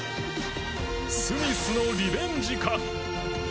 スミスのリベンジか。